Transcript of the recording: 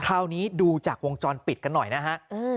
คราวนี้ดูจากวงจรปิดกันหน่อยนะฮะ